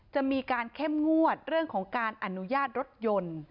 จะมีการเข้มงวดเรื่องของการอนุญาตรถยนต์